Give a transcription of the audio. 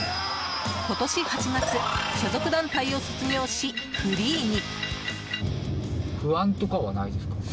今年８月、所属団体を卒業しフリーに。